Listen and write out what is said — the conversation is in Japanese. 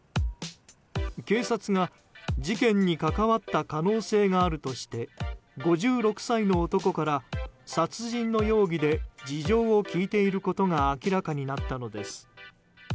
警察が事件に関わった可能性があるとして５６歳の男から殺人の容疑で事情を聴いていることが明らかになったのです。